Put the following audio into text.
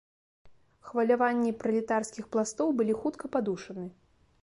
Хваляванні пралетарскіх пластоў былі хутка падушаны.